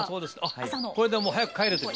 これでもう早く帰れという。